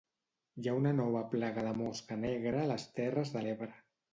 Hi ha una nova plaga de la mosca negra a les Terres de l'Ebre.